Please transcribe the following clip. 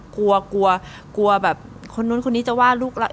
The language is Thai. กลัวกลัวแบบคนนู้นคนนี้จะว่าลูกเรา